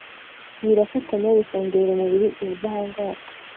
birafatanya bikongerera umubiri ubudahangarwa